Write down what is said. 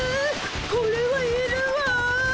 これはいるわ！